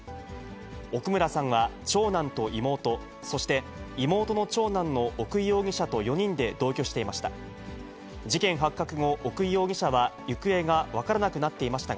奥村さんは長男と妹、そして、妹の長男の奥井容疑者と４人で同居していました。